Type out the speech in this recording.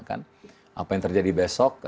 apa yang terjadi besok